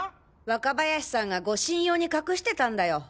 若林さんが護身用に隠してたんだよ。